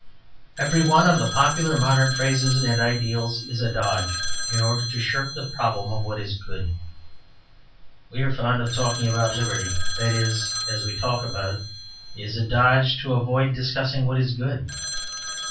Every one of the popular modern phrases and ideals is a dodge in order to shirk the problem of what is good. We are fond of talking about "liberty"; that, as we talk of it, is a dodge to avoid discussing what is good.